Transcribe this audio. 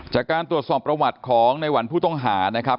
จากการตรวจสอบประวัติของในหวันผู้ต้องหานะครับ